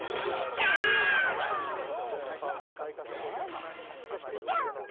ジャンプジャーンプ！